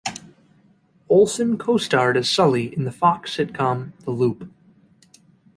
Olsen co-starred as Sully in the Fox sitcom "The Loop".